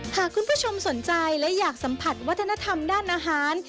หากคุณผู้ชมสนใจและอยากสัมผัสวัฒนธรรมด้านอาหาร